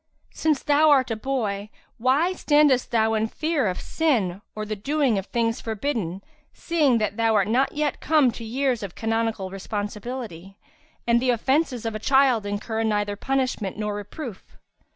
Since thou art a boy, why standest thou in fear of sin or the doing of things forbidden, seeing that thou art not yet come to years of canonical responsibility; and the offences of a child incur neither punishment nor reproof?